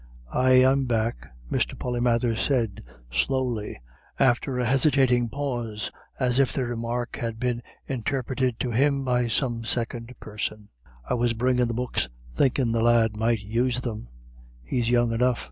"Ay, I'm back," Mr. Polymathers said slowly, after a hesitating pause, as if the remark had been interpreted to him by some second person, "I was bringin' the books, thinkin' the lad might use them he's young enough.